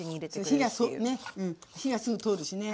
火がすぐ通るしね。